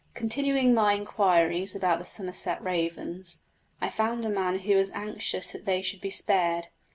Continuing my inquiries about the Somerset ravens, I found a man who was anxious that they should be spared.